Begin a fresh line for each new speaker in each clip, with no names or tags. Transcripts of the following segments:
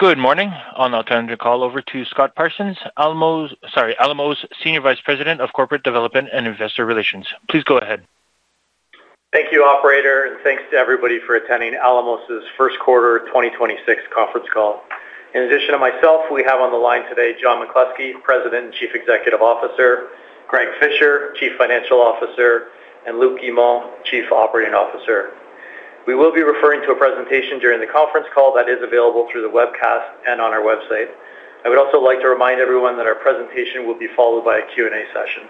Good morning. I'll now turn the call over to Scott Parsons, sorry, Alamos Senior Vice President of Corporate Development and Investor Relations. Please go ahead.
Thank you, operator, and thanks to everybody for attending Alamos' Q1 2026 Conference Call. In addition to myself, we have on the line today John McCluskey, President and Chief Executive Officer, Greg Fisher, Chief Financial Officer, and Luc Guimond, Chief Operating Officer. We will be referring to a presentation during the conference call that is available through the webcast and on our website. I would also like to remind everyone that our presentation will be followed by a Q&A session.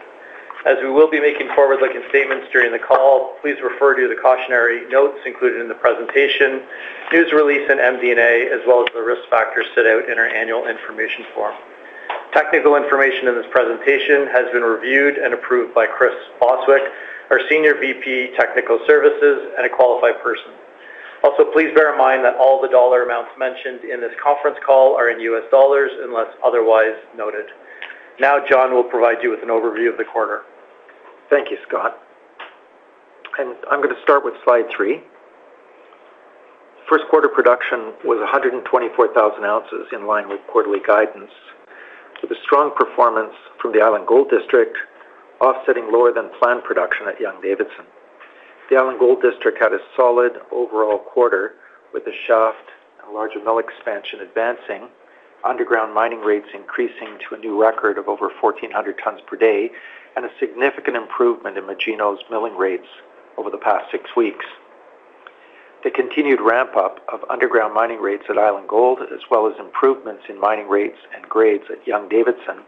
As we will be making forward-looking statements during the call, please refer to the cautionary notes included in the presentation, news release in MD&A, as well as the risk factors set out in our annual information form. Technical information in this presentation has been reviewed and approved by Chris Bostwick, our Senior Vice President, Technical Services and a qualified person. Also, please bear in mind that all the dollar amounts mentioned in this conference call are in US dollars unless otherwise noted. Now John will provide you with an overview of the quarter.
Thank you, Scott. I'm gonna start with slide three. Q1 production was 124,000 ounces, in line with quarterly guidance, with a strong performance from the Island Gold District offsetting lower than planned production at Young-Davidson. The Island Gold District had a solid overall quarter with the shaft and larger mill expansion advancing, underground mining rates increasing to a new record of over 1,400 tons per day, and a significant improvement in Magino's milling rates over the past six weeks. The continued ramp-up of underground mining rates at Island Gold, as well as improvements in mining rates and grades at Young-Davidson,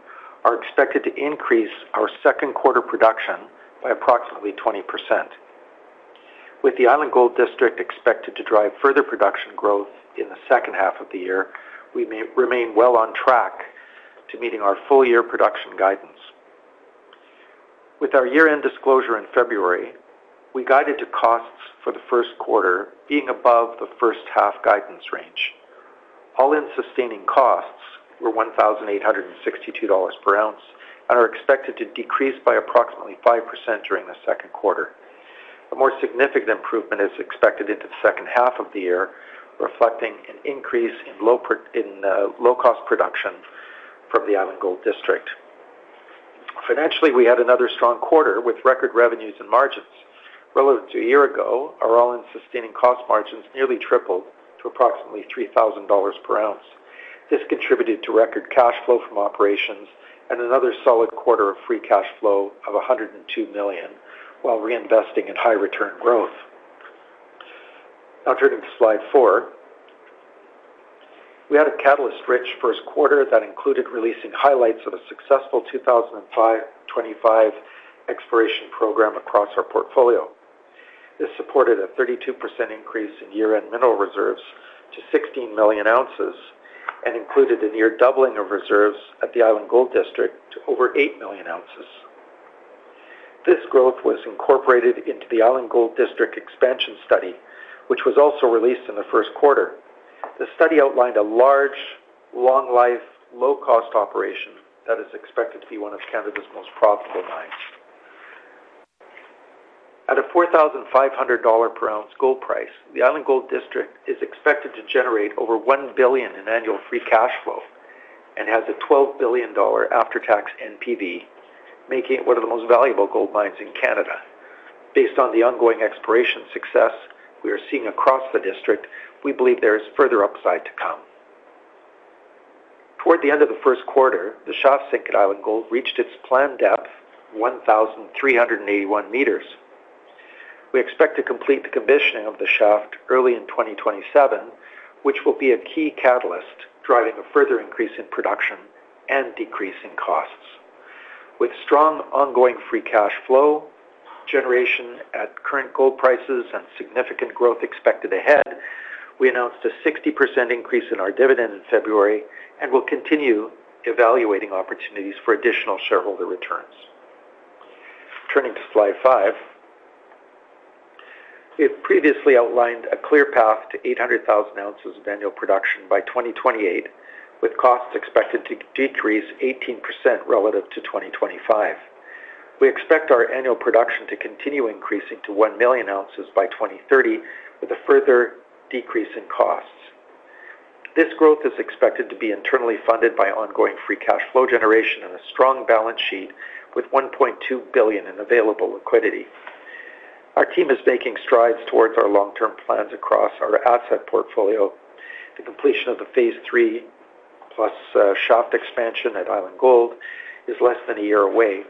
are expected to increase our Q2 production by approximately 20%. With the Island Gold District expected to drive further production growth in the H2 of the year, we may remain well on track to meeting our full-year production guidance. With our year-end disclosure in February, we guided to costs for the Q1 being above the H1 guidance range. All-in sustaining costs were $1,862 per ounce and are expected to decrease by approximately 5% during the Q2. A more significant improvement is expected into the H2 of the year, reflecting an increase in low-cost production from the Island Gold District. Financially, we had another strong quarter with record revenues and margins. Relative to a year ago, our all-in sustaining cost margins nearly tripled to approximately $3,000 per ounce. This contributed to record cash flow from operations and another solid quarter of free cash flow of $102 million while reinvesting in high return growth. Turning to slide four. We had a catalyst-rich Q1 that included releasing highlights of a successful 2025 exploration program across our portfolio. This supported a 32% increase in year-end mineral reserves to 16 million ounces and included a near doubling of reserves at the Island Gold District to over 8 million ounces. This growth was incorporated into the Island Gold District expansion study, which was also released in the Q1. The study outlined a large, long-life, low-cost operation that is expected to be one of Canada's most profitable mines. At a $4,500 per ounce gold price, the Island Gold District is expected to generate over $1 billion in annual free cash flow and has a $12 billion after-tax NPV, making it one of the most valuable gold mines in Canada. Based on the ongoing exploration success we are seeing across the district, we believe there is further upside to come. Toward the end of the Q1, the shaft sink at Island Gold reached its planned depth, 1,381 meters. We expect to complete the commissioning of the shaft early in 2027, which will be a key catalyst, driving a further increase in production and decrease in costs. With strong ongoing free cash flow generation at current gold prices and significant growth expected ahead, we announced a 60% increase in our dividend in February and will continue evaluating opportunities for additional shareholder returns. Turning to slide five. We have previously outlined a clear path to 800,000 ounces of annual production by 2028, with costs expected to decrease 18% relative to 2025. We expect our annual production to continue increasing to 1 million ounces by 2030, with a further decrease in costs. This growth is expected to be internally funded by ongoing free cash flow generation and a strong balance sheet with $1.2 billion in available liquidity. Our team is making strides towards our long-term plans across our asset portfolio. The completion of the phase III+ shaft expansion at Island Gold is less than a year away.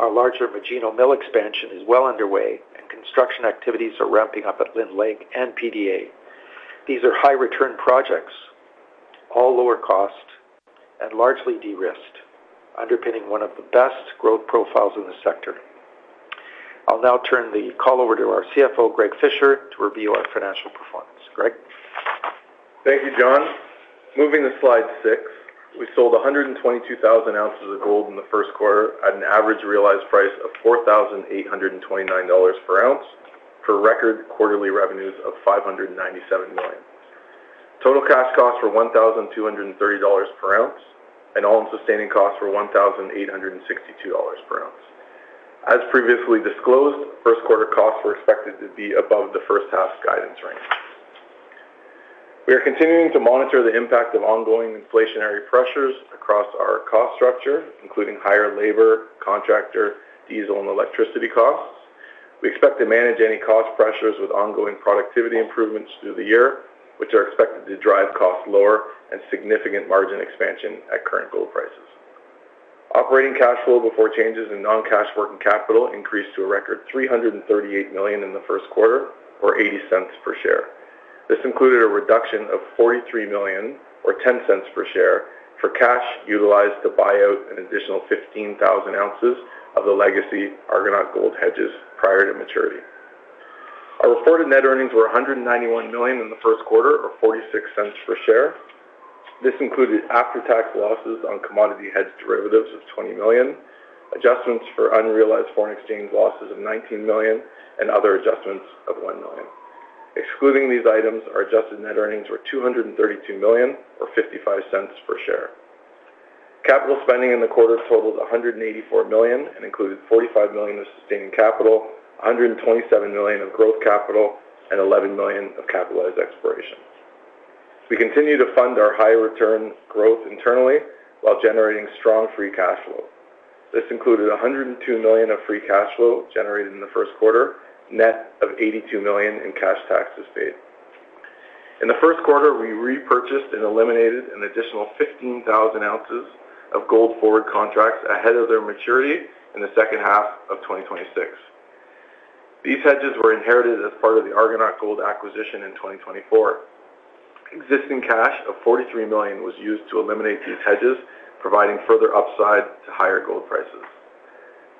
Our larger Magino mill expansion is well underway. Construction activities are ramping up at Lynn Lake and PDA. These are high return projects, all lower cost and largely de-risked, underpinning one of the best growth profiles in the sector. I'll now turn the call over to our CFO, Greg Fisher, to review our financial performance. Greg?
Thank you, John. Moving to slide six. We sold 122,000 ounces of gold in the Q1 at an average realized price of $4,829 per ounce for record quarterly revenues of $597 million. Total cash costs were $1,230 per ounce, and All-in sustaining costs were $1,862 per ounce. As previously disclosed, Q1 costs were expected to be above the H1 guidance range. We are continuing to monitor the impact of ongoing inflationary pressures across our cost structure, including higher labor, contractor, diesel, and electricity costs. We expect to manage any cost pressures with ongoing productivity improvements through the year, which are expected to drive costs lower and significant margin expansion at current gold prices. Operating cash flow before changes in non-cash working capital increased to a record $338 million in the Q1, or $0.80 per share. This included a reduction of $43 million, or $0.10 per share, for cash utilized to buy out an additional 15,000 ounces of the legacy Argonaut Gold hedges prior to maturity. Our reported net earnings were $191 million in the Q1, or $0.46 per share. This included after-tax losses on commodity hedge derivatives of $20 million, adjustments for unrealized foreign exchange losses of $19 million, and other adjustments of $1 million. Excluding these items, our adjusted net earnings were $232 million, or $0.55 per share. Capital spending in the quarter totaled $184 million and included $45 million of sustaining capital, $127 million of growth capital, and $11 million of capitalized exploration. We continue to fund our high return growth internally while generating strong free cash flow. This included $102 million of free cash flow generated in the Q1, net of $82 million in cash taxes paid. In the Q1, we repurchased and eliminated an additional 15,000 ounces of gold forward contracts ahead of their maturity in the H2 of 2026. These hedges were inherited as part of the Argonaut Gold acquisition in 2024. Existing cash of $43 million was used to eliminate these hedges, providing further upside to higher gold prices.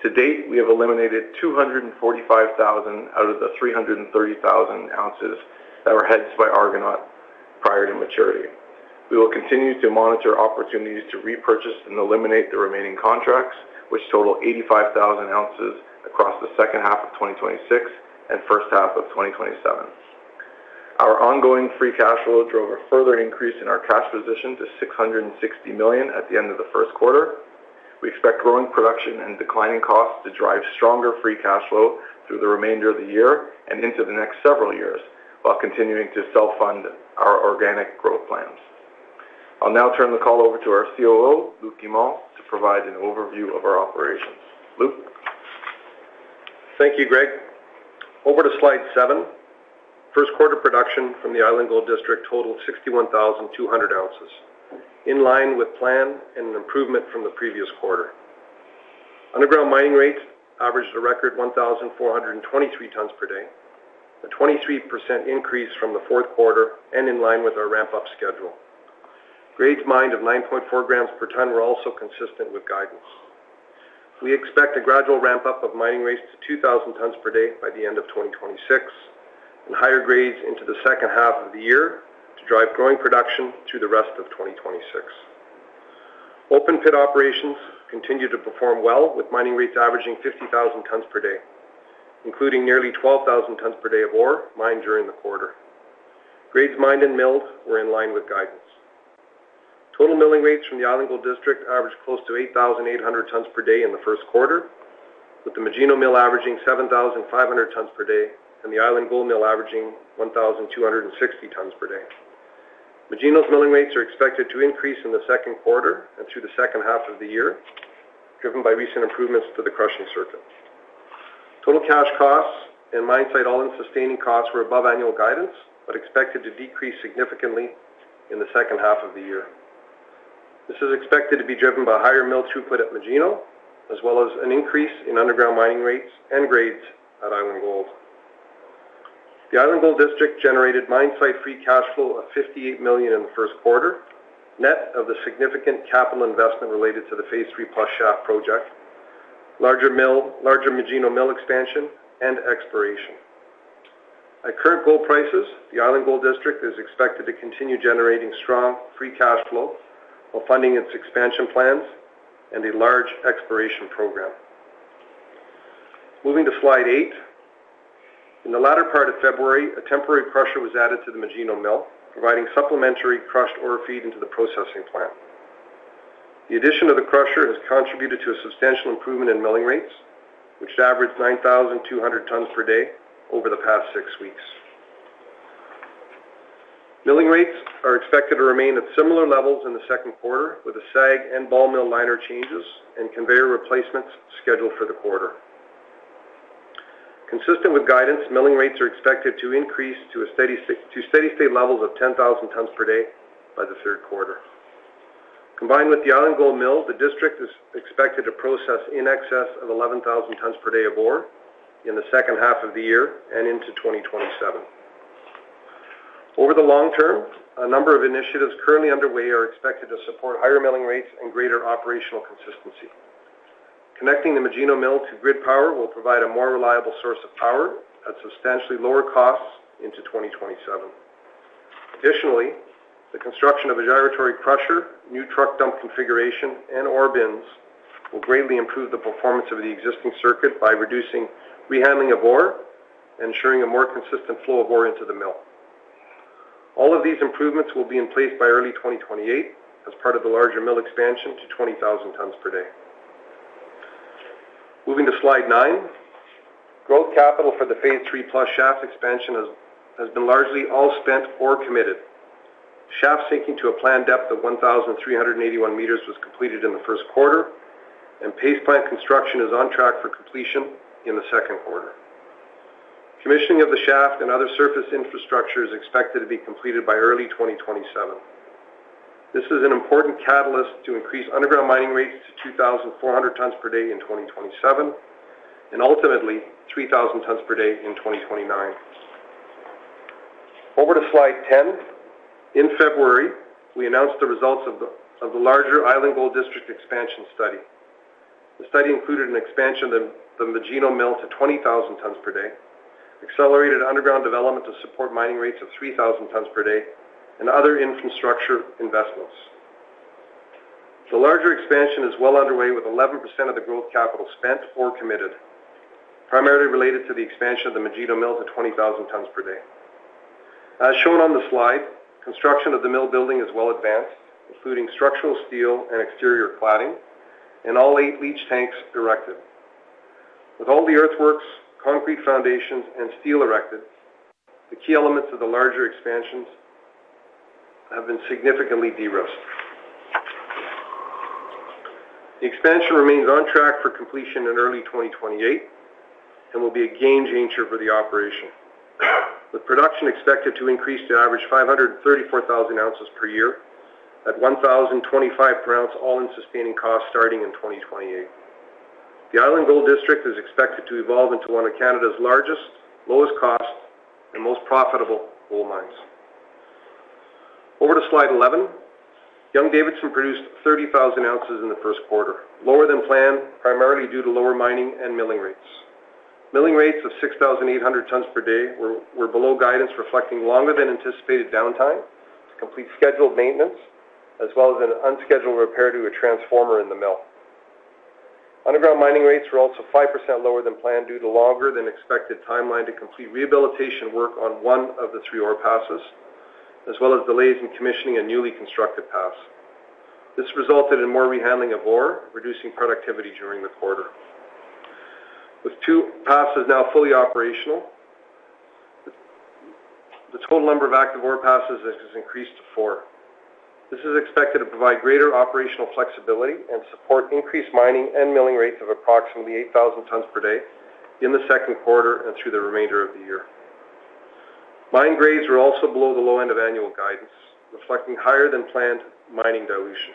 To date, we have eliminated 245,000 out of the 330,000 ounces that were hedged by Argonaut prior to maturity. We will continue to monitor opportunities to repurchase and eliminate the remaining contracts, which total 85,000 ounces across the H2 of 2026 and H1 of 2027. Our ongoing free cash flow drove a further increase in our cash position to $660 million at the end of the Q1. We expect growing production and declining costs to drive stronger free cash flow through the remainder of the year and into the next several years while continuing to self-fund our organic growth plans. I'll now turn the call over to our COO, Luc Guimond, to provide an overview of our operations. Luc?
Thank you, Greg. Over to slide seven. Q1 production from the Island Gold District totaled 61,200 ounces, in line with plan and an improvement from the previous quarter. Underground mining rates averaged a record 1,423 tons per day, a 23% increase from the Q4 and in line with our ramp-up schedule. Grades mined of 9.4 g per ton were also consistent with guidance. We expect a gradual ramp-up of mining rates to 2,000 tons per day by the end of 2026 and higher grades into the H2 of the year to drive growing production through the rest of 2026. Open pit operations continued to perform well with mining rates averaging 50,000 tons per day, including nearly 12,000 tons per day of ore mined during the quarter. Grades mined and milled were in line with guidance. Total milling rates from the Island Gold District averaged close to 8,800 tons per day in the Q1, with the Magino Mill averaging 7,500 tons per day and the Island Gold Mill averaging 1,260 tons per day. Magino's milling rates are expected to increase in the Q2 and through the H2 of the year, driven by recent improvements to the crushing circuit. Total cash costs and mine site All-in sustaining costs were above annual guidance, but expected to decrease significantly in the H2 of the year. This is expected to be driven by higher mill throughput at Magino, as well as an increase in underground mining rates and grades at Island Gold. The Island Gold District generated mine site free cash flow of $58 million in the Q1, net of the significant capital investment related to the phase III+ shaft project, larger Magino Mill expansion, and exploration. At current gold prices, the Island Gold District is expected to continue generating strong free cash flow while funding its expansion plans and a large exploration program. Moving to slide eight. In the latter part of February, a temporary crusher was added to the Magino Mill, providing supplementary crushed ore feed into the processing plant. The addition of the crusher has contributed to a substantial improvement in milling rates, which averaged 9,200 tons per day over the past six weeks. Milling rates are expected to remain at similar levels in the Q2, with the SAG and ball mill liner changes and conveyor replacements scheduled for the quarter. Consistent with guidance, milling rates are expected to increase to steady-state levels of 10,000 tons per day by the Q3. Combined with the Island Gold Mill, the district is expected to process in excess of 11,000 tons per day of ore in the H2 of the year and into 2027. Over the long term, a number of initiatives currently underway are expected to support higher milling rates and greater operational consistency. Connecting the Magino Mill to grid power will provide a more reliable source of power at substantially lower costs into 2027. Additionally, the construction of a gyratory crusher, new truck dump configuration, and ore bins will greatly improve the performance of the existing circuit by reducing rehandling of ore and ensuring a more consistent flow of ore into the mill. All of these improvements will be in place by early 2028 as part of the larger mill expansion to 20,000 tons per day. Moving to slide nine, growth capital for the phase III+ shaft expansion has been largely all spent or committed. Shaft sinking to a planned depth of 1,381 meters was completed in the Q1, and paste plant construction is on track for completion in the Q2. Commissioning of the shaft and other surface infrastructure is expected to be completed by early 2027. This is an important catalyst to increase underground mining rates to 2,400 tons per day in 2027 and ultimately 3,000 tons per day in 2029. Over to slide 10. In February, we announced the results of the larger Island Gold District expansion study. The study included an expansion of the Magino Mill to 20,000 tons per day, accelerated underground development to support mining rates of 3,000 tons per day, and other infrastructure investments. The larger expansion is well underway with 11% of the growth capital spent or committed, primarily related to the expansion of the Magino Mill to 20,000 tons per day. As shown on the slide, construction of the mill building is well advanced, including structural steel and exterior cladding, and all eight leach tanks erected. With all the earthworks, concrete foundations, and steel erected, the key elements of the larger expansions have been significantly de-risked. The expansion remains on track for completion in early 2028 and will be a game changer for the operation, with production expected to increase to average 534,000 ounces per year at $1,025 per ounce all-in sustaining costs starting in 2028. The Island Gold District is expected to evolve into one of Canada's largest, lowest cost, and most profitable gold mines. Over to slide 11. Young-Davidson produced 30,000 ounces in the Q1, lower than planned, primarily due to lower mining and milling rates. Milling rates of 6,800 tons per day were below guidance, reflecting longer than anticipated downtime to complete scheduled maintenance, as well as an unscheduled repair to a transformer in the mill. Underground mining rates were also 5% lower than planned due to longer than expected timeline to complete rehabilitation work on one of the three ore passes, as well as delays in commissioning a newly constructed pass. This resulted in more rehandling of ore, reducing productivity during the quarter. With two passes now fully operational, the total number of active ore passes has increased to four. This is expected to provide greater operational flexibility and support increased mining and milling rates of approximately 8,000 tons per day in the Q2 and through the remainder of the year. Mine grades were also below the low end of annual guidance, reflecting higher than planned mining dilution.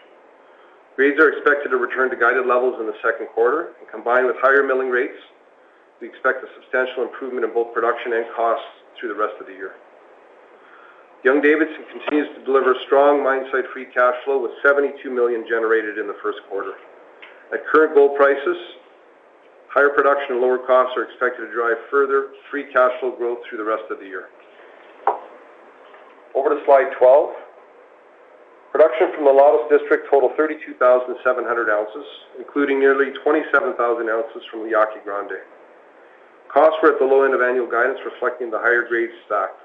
Grades are expected to return to guided levels in the Q2 and combined with higher milling rates, we expect a substantial improvement in both production and costs through the rest of the year. Young-Davidson continues to deliver strong mine site free cash flow with $72 million generated in the Q1. At current gold prices, higher production and lower costs are expected to drive further free cash flow growth through the rest of the year. Over to slide 12. Production from the Mulatos District totaled 32,700 ounces, including nearly 27,000 ounces from Yaqui Grande. Costs were at the low end of annual guidance, reflecting the higher grade stock.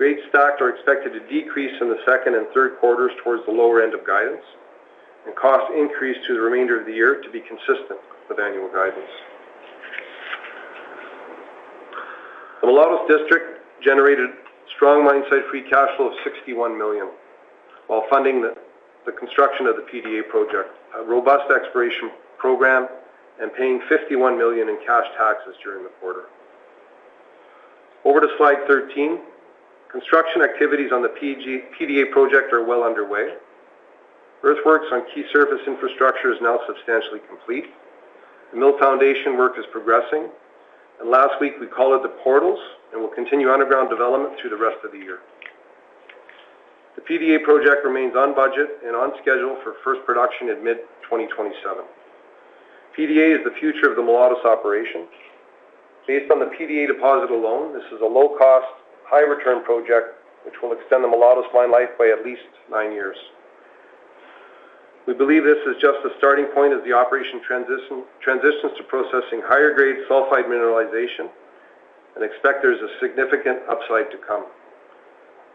Grades stocked are expected to decrease in the second and Q3 towards the lower end of guidance, and costs increase through the remainder of the year to be consistent with annual guidance. The Mulatos District generated strong mine site free cash flow of $61 million while funding the construction of the PDA project, a robust exploration program, and paying $51 million in cash taxes during the quarter. Over to slide 13. Construction activities on the PDA project are well underway. Earthworks on key surface infrastructure is now substantially complete. The mill foundation work is progressing. Last week we called out the portals and will continue underground development through the rest of the year. The PDA project remains on budget and on schedule for first production at mid-2027. PDA is the future of the Mulatos operation. Based on the PDA deposit alone, this is a low-cost, high-return project which will extend the Mulatos mine life by at least nine years. We believe this is just the starting point as the operation transitions to processing higher grade sulfide mineralization and expect there's a significant upside to come.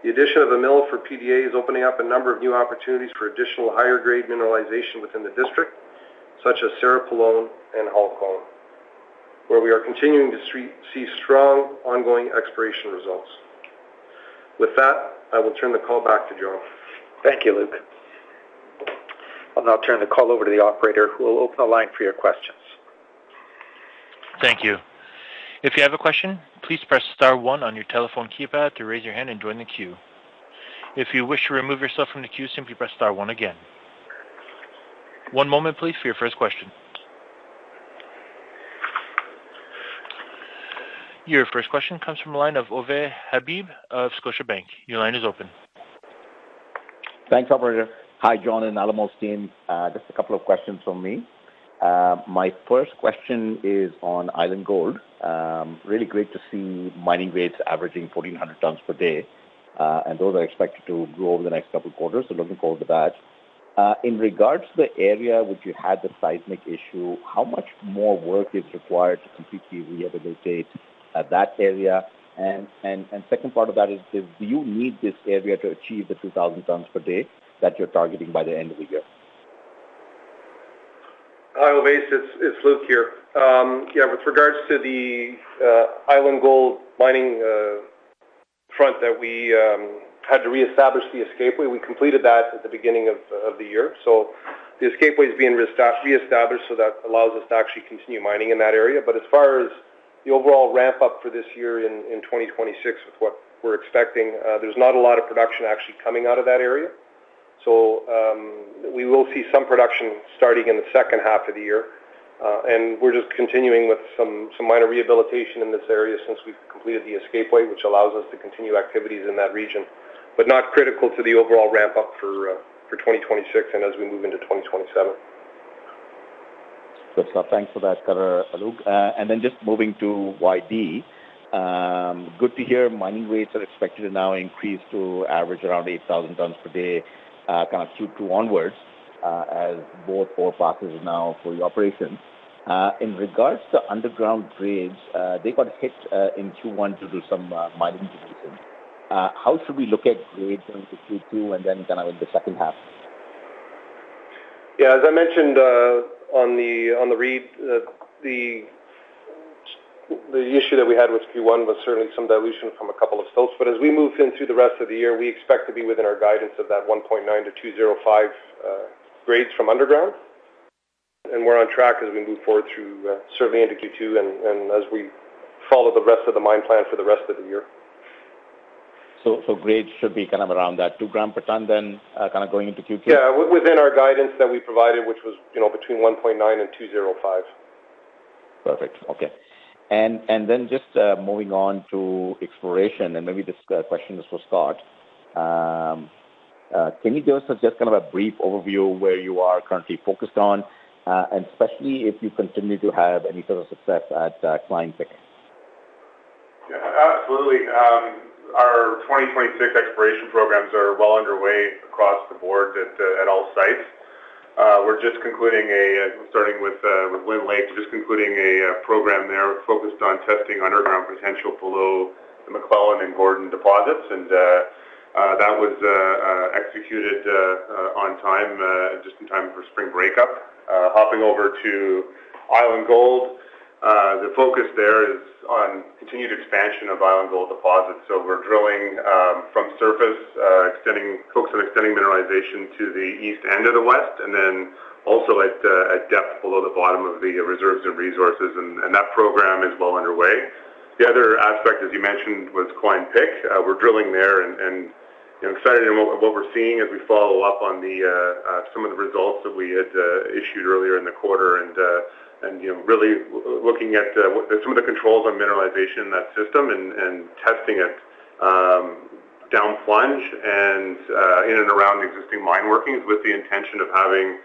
The addition of a mill for PDA is opening up a number of new opportunities for additional higher grade mineralization within the district, such as Cerro Pelon and Halcon, where we are continuing to see strong ongoing exploration results. With that, I will turn the call back to John.
Thank you, Luc. I'll now turn the call over to the operator who will open the line for your questions.
Thank you. Your first question comes from the line of Ovais Habib of Scotiabank. Your line is open.
Thanks, operator. Hi, John and Alamos team. Just a couple of questions from me. My first question is on Island Gold. Really great to see mining rates averaging 1,400 tons per day, and those are expected to grow over the next couple of quarters, so looking forward to that. In regards to the area which you had the seismic issue, how much more work is required to completely rehabilitate that area? Second part of that is, do you need this area to achieve the 2,000 tons per day that you're targeting by the end of the year?
Hi, Ovais. It's Luc here. Yeah, with regards to the Island Gold mining front that we had to reestablish the escape way, we completed that at the beginning of the year. The escape way is being reestablished, that allows us to actually continue mining in that area. As far as the overall ramp up for this year in 2026 with what we're expecting, there's not a lot of production actually coming out of that area. We will see some production starting in the H2 of the year, and we're just continuing with some minor rehabilitation in this area since we've completed the escape way, which allows us to continue activities in that region, but not critical to the overall ramp up for 2026 and as we move into 2027.
Good stuff. Thanks for that color, Luc. Then just moving to YD, good to hear mining rates are expected to now increase to average around 8,000 tons per day, kind of Q2 onwards, as both ore passes now for the operation. In regards to underground grades, they got hit in Q1 due to some mining dilution. How should we look at grades going to Q2, and then kind of in the H2?
Yeah, as I mentioned, on the read, the issue that we had with Q1 was certainly some dilution from a couple of stops. As we move into the rest of the year, we expect to be within our guidance of that 1.9-2.05 grades from underground. We're on track as we move forward through certainly into Q2 and as we follow the rest of the mine plan for the rest of the year.
Grades should be kind of around that two gram per ton then, kind of going into Q2?
Yeah, within our guidance that we provided, which was, you know, between 1.9 and 2.05.
Perfect. Okay. Then just moving on to exploration, maybe this question is for Scott. Can you give us just kind of a brief overview of where you are currently focused on, and especially if you continue to have any sort of success at Quinn Pick?
Yeah, absolutely. Our 2026 exploration programs are well underway across the board at all sites. We're just concluding, starting with Lynn Lake, just concluding a program there focused on testing underground potential below the MacLellan and Gordon deposits. That was executed on time, just in time for spring breakup. Hopping over to Island Gold, the focus there is on continued expansion of Island Gold deposits. We're drilling from surface, extending, focused on extending mineralization to the east end of the west, and then also at depth below the bottom of the reserves and resources, and that program is well underway. The other aspect, as you mentioned, was Quinn Pick. We're drilling there and, you know, excited in what we're seeing as we follow up on some of the results that we had issued earlier in the quarter. And, you know, really looking at some of the controls on mineralization in that system and testing it down plunge and in and around existing mine workings with the intention of having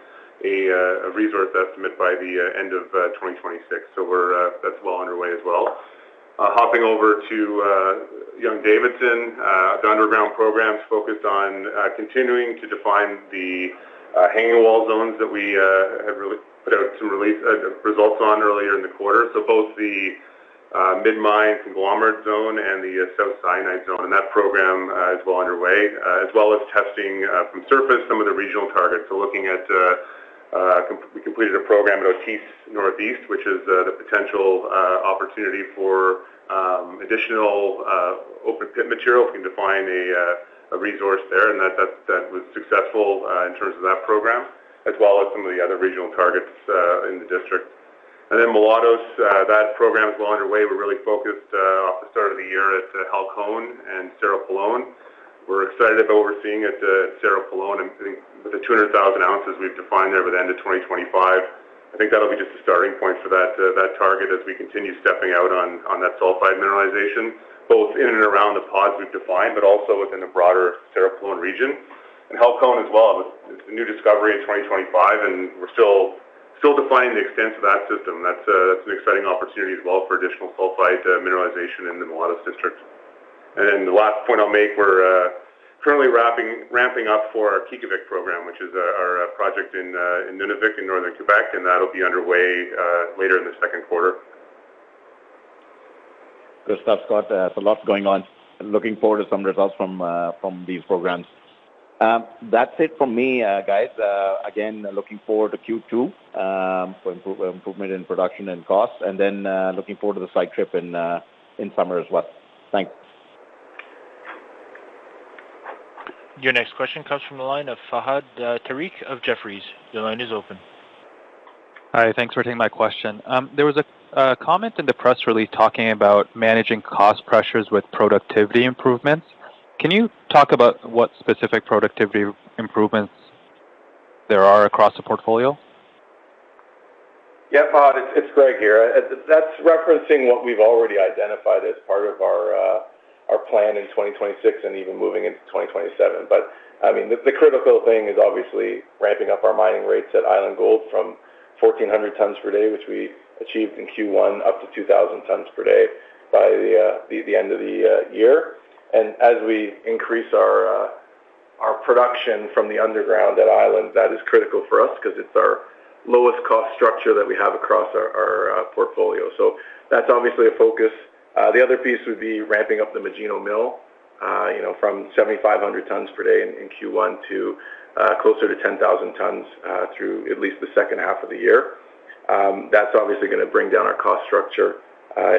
a resource estimate by the end of 2026. We're, that's well underway as well. Hopping over to Young-Davidson, the underground program's focused on continuing to define the Hanging Wall zones that we have really put out some release results on earlier in the quarter. Both the Mid-Mine Hanging Wall zones and the South Syenite Zone, and that program is well underway, as well as testing from surface some of the regional targets. Looking at, we completed a program at Otisse Northeast, which is the potential opportunity for additional open pit material. We can define a resource there, and that was successful in terms of that program, as well as some of the other regional targets in the district. Mulatos, that program's well underway. We're really focused off the start of the year at Halcon and Cerro Pelon. We're excited about what we're seeing at Cerro Pelon, including the 200,000 ounces we've defined there by the end of 2025. I think that'll be just a starting point for that target as we continue stepping out on that sulfide mineralization, both in and around the pods we've defined, but also within the broader Cerro Pelon region. Halcon as well, it's a new discovery in 2025, and we're still defining the extent of that system. That's an exciting opportunity as well for additional sulfide mineralization in the Mulatos District. The last point I'll make, we're currently ramping up for our Kikivik program, which is our project in Nunavik in northern Quebec, and that'll be underway later in the Q2.
Good stuff, Scott. There's a lot going on. Looking forward to some results from these programs. That's it from me, guys. Again, looking forward to Q2 for improvement in production and costs, looking forward to the site trip in summer as well. Thanks.
Your next question comes from the line of Fahad Tariq of Jefferies. Your line is open.
Hi, thanks for taking my question. There was a comment in the press release talking about managing cost pressures with productivity improvements. Can you talk about what specific productivity improvements there are across the portfolio?
Yeah, Fahad, it's Greg here. That's referencing what we've already identified as part of our plan in 2026 and even moving into 2027. I mean, the critical thing is obviously ramping up our mining rates at Island Gold from 1,400 tons per day, which we achieved in Q1, up to 2,000 tons per day by the end of the year. As we increase our Our production from the underground at Island, that is critical for us because it's our lowest cost structure that we have across our portfolio. That's obviously a focus. The other piece would be ramping up the Magino Mill, you know, from 7,500 tons per day in Q1 to closer to 10,000 tons through at least the H2 of the year. That's obviously gonna bring down our cost structure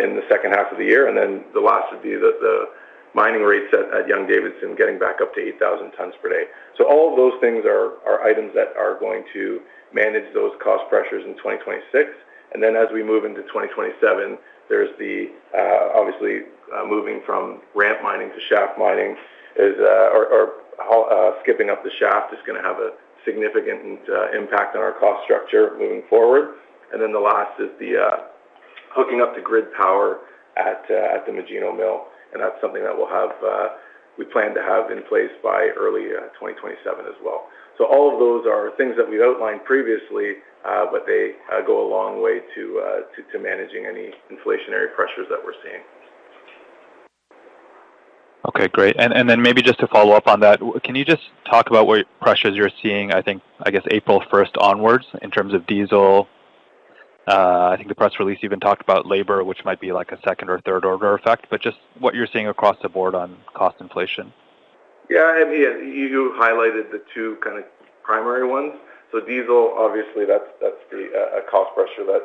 in the H2 of the year. The last would be the mining rates at Young-Davidson getting back up to 8,000 tons per day. All of those things are items that are going to manage those cost pressures in 2026. As we move into 2027, there's the obviously moving from ramp mining to shaft mining or skipping up the shaft is going to have a significant impact on our cost structure moving forward. The last is the hooking up to grid power at the Magino Mill, that's something that we plan to have in place by early 2027 as well. All of those are things that we've outlined previously, but they go a long way to managing any inflationary pressures that we're seeing.
Okay, great. Then maybe just to follow up on that, can you just talk about what pressures you're seeing, I guess April first onwards in terms of diesel? The press release even talked about labor, which might be like a second or third order effect, just what you're seeing across the board on cost inflation.
I mean, you highlighted the two kind of primary ones. Diesel, obviously, that's a cost pressure that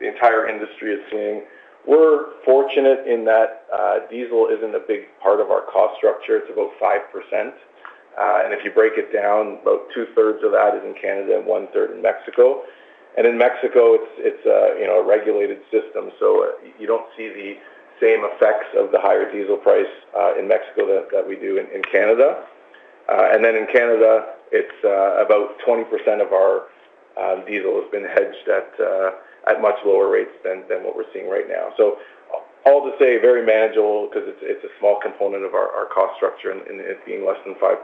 the entire industry is seeing. We're fortunate in that diesel isn't a big part of our cost structure. It's about 5%. If you break it down, about two-thirds of that is in Canada and one-third in Mexico. In Mexico, it's a, you know, a regulated system, you don't see the same effects of the higher diesel price in Mexico that we do in Canada. Then in Canada, it's about 20% of our diesel has been hedged at much lower rates than what we're seeing right now. All to say, very manageable because it's a small component of our cost structure and it being less than 5%.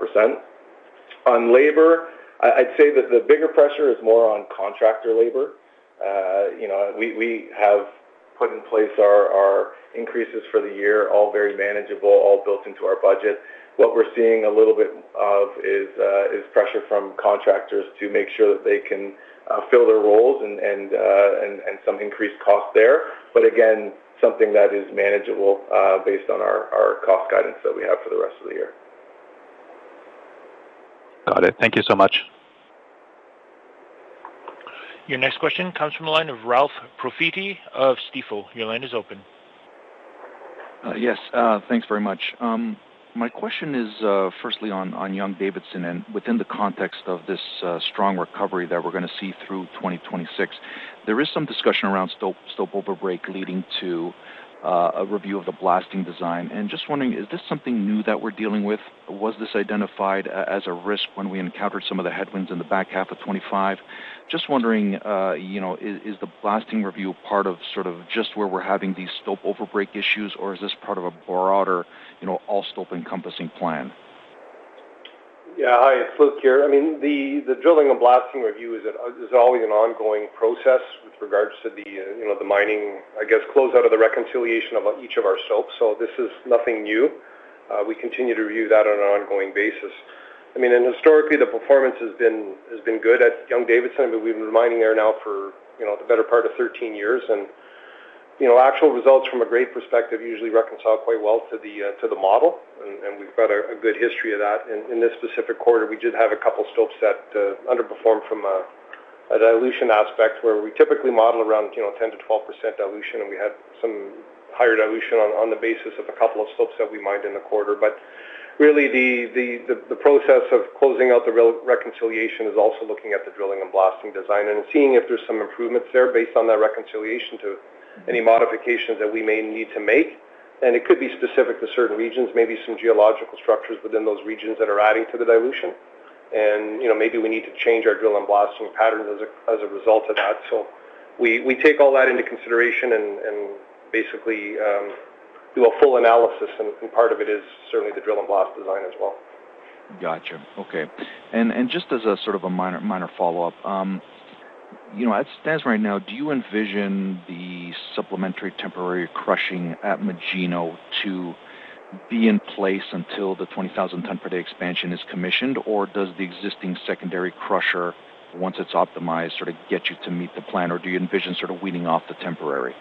On labor, I'd say that the bigger pressure is more on contractor labor. you know, we have put in place our increases for the year, all very manageable, all built into our budget. What we're seeing a little bit of is pressure from contractors to make sure that they can fill their roles and some increased cost there. Again, something that is manageable, based on our cost guidance that we have for the rest of the year.
Got it. Thank you so much.
Your next question comes from the line of Ralph Profiti of Stifel. Your line is open.
Yes. Thanks very much. My question is, firstly on Young-Davidson within the context of this strong recovery that we're going to see through 2026. There is some discussion around stope overbreak leading to a review of the blasting design. Just wondering, is this something new that we're dealing with? Was this identified as a risk when we encountered some of the headwinds in the back half of 2025? Just wondering, you know, is the blasting review part of sort of just where we're having these stope overbreak issues, or is this part of a broader, you know, all stope encompassing plan?
Yeah. Hi, it's Luc here. I mean, the drilling and blasting review is always an ongoing process with regards to the, you know, the mining, I guess, close out of the reconciliation of each of our stopes. This is nothing new. We continue to review that on an ongoing basis. I mean, historically, the performance has been good at Young-Davidson, but we've been mining there now for, you know, the better part of 13 years. You know, actual results from a grade perspective usually reconcile quite well to the model, and we've got a good history of that. In this specific quarter, we did have two stopes that underperformed from a dilution aspect, where we typically model around, you know, 10%-12% dilution, and we had some higher dilution on the basis of two stopes that we mined in the quarter. Really, the process of closing out the reconciliation is also looking at the drilling and blasting design and seeing if there is some improvements there based on that reconciliation to any modifications that we may need to make. It could be specific to certain regions, maybe some geological structures within those regions that are adding to the dilution. You know, maybe we need to change our drill and blasting patterns as a result of that. We take all that into consideration and basically do a full analysis, and part of it is certainly the drill and blast design as well.
Gotcha. Okay. Just as a sort of a minor follow-up, you know, as it stands right now, do you envision the supplementary temporary crushing at Magino to be in place until the 20,000 ton per day expansion is commissioned? Does the existing secondary crusher, once it's optimized, sort of get you to meet the plan? Do you envision sort of weaning off the temporary?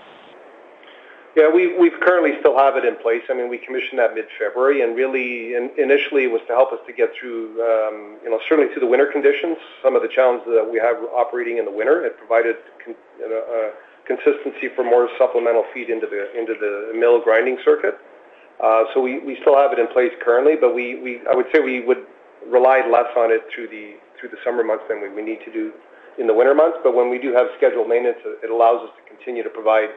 Yeah. We currently still have it in place. I mean, we commissioned that mid-February, and really, initially, it was to help us to get through, you know, certainly through the winter conditions. Some of the challenges that we have operating in the winter, it provided consistency for more supplemental feed into the mill grinding circuit. We still have it in place currently, we I would say we would rely less on it through the summer months than we need to do in the winter months. When we do have scheduled maintenance, it allows us to continue to provide.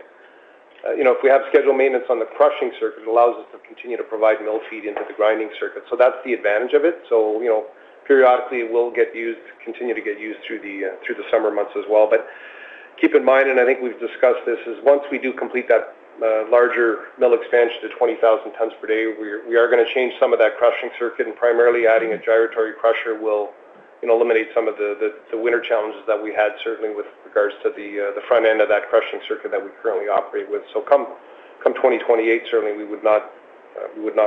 You know, if we have scheduled maintenance on the crushing circuit, it allows us to continue to provide mill feed into the grinding circuit. That's the advantage of it. You know, periodically, it will get used, continue to get used through the summer months as well. Keep in mind, and I think we've discussed this, is once we do complete that larger mill expansion to 20,000 tons per day, we are gonna change some of that crushing circuit. Primarily, adding a gyratory crusher will eliminate some of the winter challenges that we had certainly with regards to the front end of that crushing circuit that we currently operate with. Come 2028, certainly we would not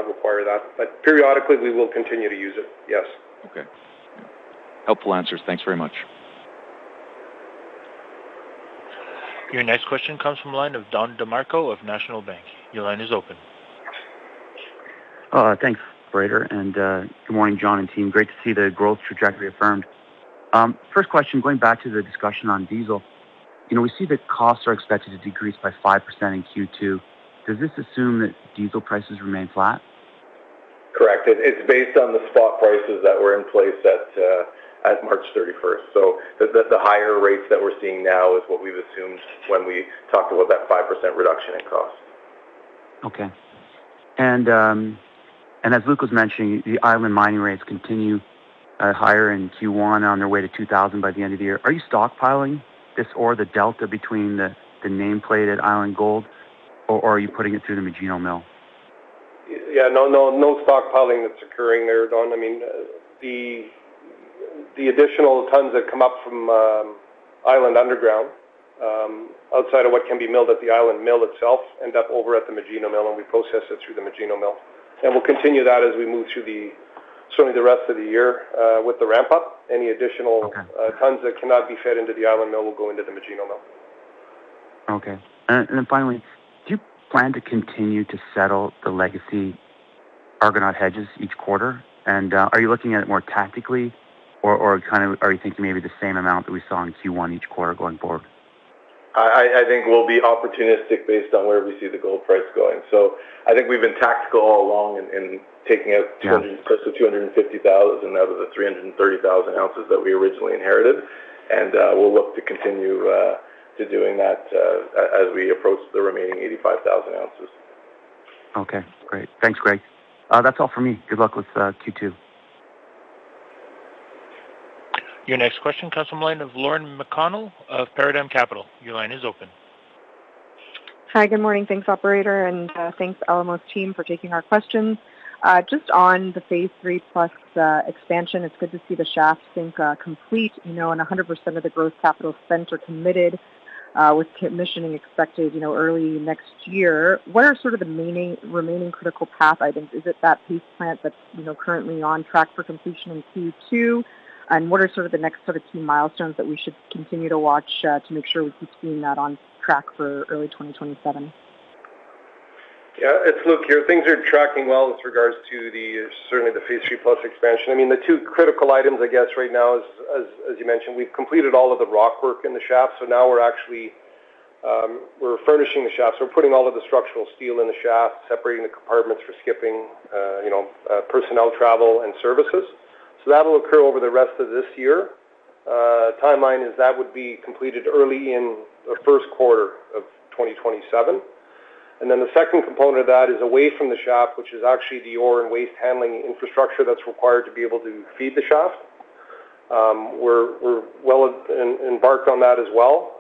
require that. Periodically, we will continue to use it, yes.
Okay. Helpful answers. Thanks very much.
Your next question comes from the line of Don DeMarco of National Bank.
Thanks, operator, and good morning, John and team. Great to see the growth trajectory affirmed. First question, going back to the discussion on diesel. You know, we see that costs are expected to decrease by 5% in Q2. Does this assume that diesel prices remain flat?
Correct. It's based on the spot prices that were in place at March 31st. The higher rates that we're seeing now is what we've assumed when we talked about that 5% reduction in cost.
Okay. As Luc was mentioning, the Island mining rates continue higher in Q1 on their way to 2,000 by the end of the year. Are you stockpiling this ore, the delta between the nameplate at Island Gold, or are you putting it through the Magino Mill?
Yeah, no stockpiling that's occurring there, Don. I mean, the additional tons that come up from Island underground, outside of what can be milled at the Island Mill itself, end up over at the Magino Mill, and we process it through the Magino Mill. We'll continue that as we move through certainly the rest of the year with the ramp up and- ...additionals that cannot be fed into the Island Mill will go into the Magino Mill.
Okay. Finally, do you plan to continue to settle the legacy Argonaut hedges each quarter? Are you looking at it more tactically or kind of, are you thinking maybe the same amount that we saw in Q1 each quarter going forward?
I think we'll be opportunistic based on where we see the gold price going. I think we've been tactical all along in taking out- Close to 250,000 out of the 330,000 ounces that we originally inherited. We'll look to continue to doing that as we approach the remaining 85,000 ounces.
Okay, great. Thanks, Greg. That's all for me. Good luck with Q2.
Your next question comes from line of Lauren McConnell of Paradigm Capital. Your line is open.
Hi, good morning. Thanks, operator, and thanks, Alamos team for taking our questions. Just on the phase III+ expansion, it's good to see the shaft sink complete, you know, and 100% of the growth capital spends are committed, with commissioning expected, you know, early next year. What are sort of the remaining critical path items? Is it that paste plant that's, you know, currently on track for completion in Q2? What are sort of the next sort of key milestones that we should continue to watch to make sure we keep seeing that on track for early 2027?
It's Luc here. Things are tracking well with regards to the, certainly the phase III+ expansion. I mean, the two critical items, I guess, right now is as you mentioned, we've completed all of the rock work in the shaft. Now we're actually, we're furnishing the shaft. We're putting all of the structural steel in the shaft, separating the compartments for skipping, you know, personnel travel and services. That will occur over the rest of this year. Timeline is that would be completed early in the Q1 of 2027. Then the second component of that is away from the shaft, which is actually the ore and waste handling infrastructure that's required to be able to feed the shaft. We're, we're well embarked on that as well.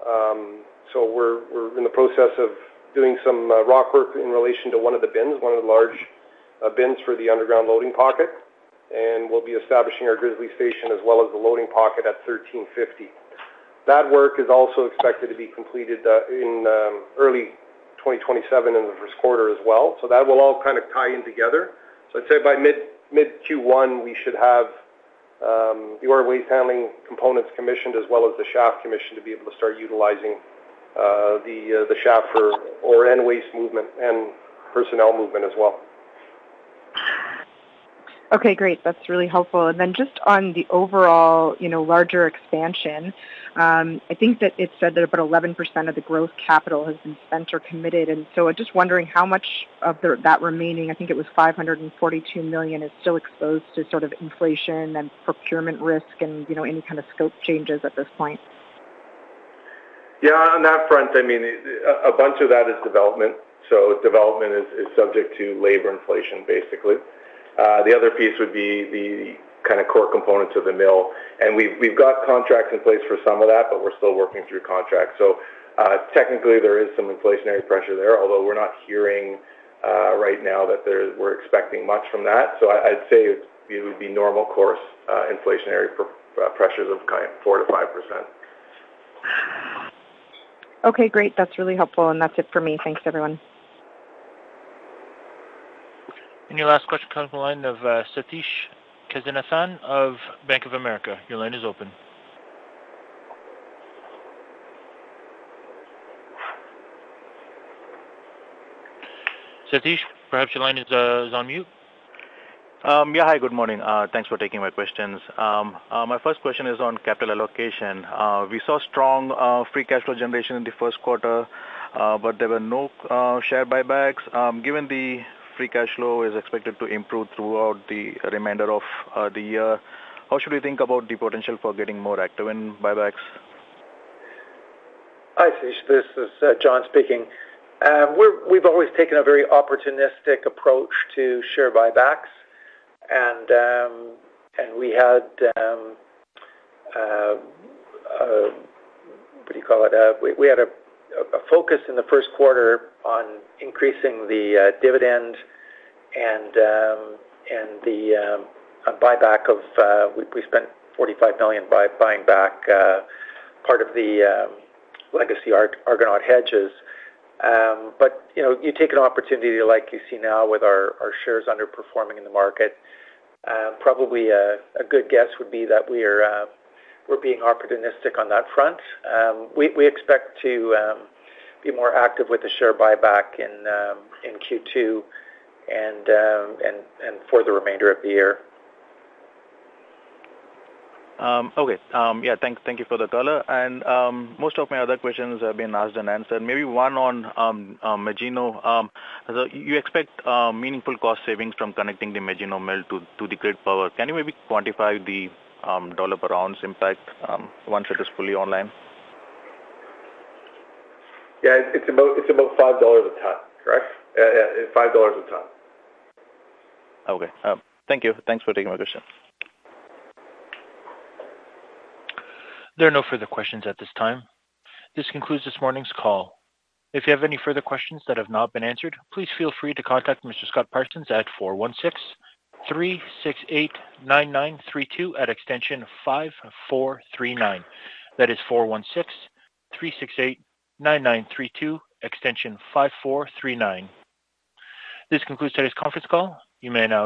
We're in the process of doing some rock work in relation to one of the large bins for the underground loading pocket, and we'll be establishing our grizzly station as well as the loading pocket at 1,350. That work is also expected to be completed in early 2027 in the Q1 as well. That will all kind of tie in together. I'd say by mid-Q1, we should have the ore waste handling components commissioned as well as the shaft commissioned to be able to start utilizing the shaft for ore and waste movement and personnel movement as well.
Okay, great. That's really helpful. Just on the overall, you know, larger expansion, I think that it said that about 11% of the growth capital has been spent or committed. Just wondering how much of the, that remaining, I think it was $542 million, is still exposed to sort of inflation and procurement risk and, you know, any kind of scope changes at this point.
Yeah, on that front, I mean, a bunch of that is development. Development is subject to labor inflation, basically. The other piece would be the kind of core components of the mill. We've got contracts in place for some of that, but we're still working through contracts. Technically, there is some inflationary pressure there, although we're not hearing right now that we're expecting much from that. I'd say it would be normal course, inflationary pressures of kind, 4%-5%.
Okay, great. That's really helpful. That's it for me. Thanks, everyone.
Your last question comes from the line of Sathish Kasinathan of Bank of America. Your line is open. Sathish, perhaps your line is on mute.
Hi, good morning. Thanks for taking my questions. My first question is on capital allocation. We saw strong free cash flow generation in the Q1, but there were no share buybacks. Given the free cash flow is expected to improve throughout the remainder of the year, how should we think about the potential for getting more active in buybacks?
Hi, Sathish. This is John speaking. We've always taken a very opportunistic approach to share buybacks. We had, what do you call it? We had a focus in the Q1 on increasing the dividend and the buyback of, we spent $45 million buying back part of the legacy Argonaut hedges. You know, you take an opportunity like you see now with our shares underperforming in the market, probably a good guess would be that we are being opportunistic on that front. We expect to be more active with the share buyback in Q2 and for the remainder of the year.
Okay. Yeah, thank you for the color. Most of my other questions have been asked and answered. Maybe one on Magino. You expect meaningful cost savings from connecting the Magino mill to the grid power. Can you maybe quantify the $/ounce impact once it is fully online?
Yeah. It's about $5 a ton, correct? Yeah, it's $5 a ton.
Okay. Thank you. Thanks for taking my question.
There are no further questions at this time. This concludes this morning's call. If you have any further questions that have not been answered, please feel free to contact Mr. Scott Parsons at 416-368-9932 at extension 5439. That is 416-368-9932, extension 5439. This concludes today's conference call. You may now disconnect.